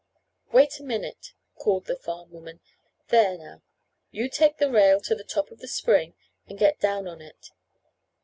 "Wait a minute," called the farm woman. "There, now, you take the rail to the top of the spring and get down on it.